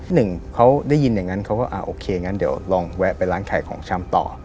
หนึ่งเขาได้ยินอย่างนั้นเขาก็อ่าโอเคงั้นเดี๋ยวลองแวะไปร้านขายของชำต่อ